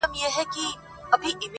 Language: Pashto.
ځي تر اباسینه د کونړ د یکه زار څپې!